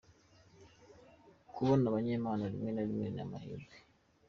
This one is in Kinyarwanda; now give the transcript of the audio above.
Kubona abanyempano rimwe na rimwe ni amahirwe.